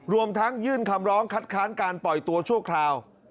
รวมทั้งยื่นคำร้องคัดค้านการปล่อยตัวชั่วคราว